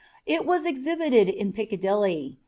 It was exhibited in Piccadilly.